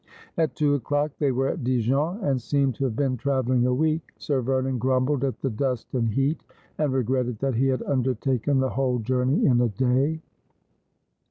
At two o'clock they were at Dijon, and seemed to have been travelling a week. Sir Vernon grumbled at the dust and heat, and regretted that he had undertaken the whole journey in a day.